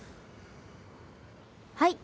はい。